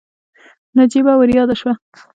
نجيبه ورياده شوه.